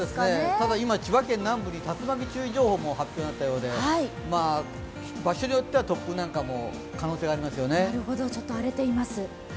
ただ今、千葉県南部に竜巻注意情報も発表になったみたいで場所によっては突風なんかも可能性ありますよね。